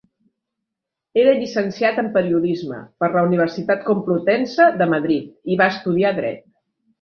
Era llicenciat en periodisme per la Universitat Complutense de Madrid i va estudiar Dret.